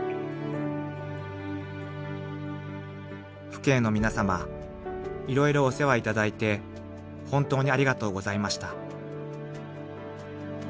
［「父兄の皆様いろいろお世話いただいてほんとうにありがとうございました」］